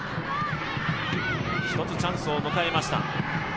１つチャンスを迎えました。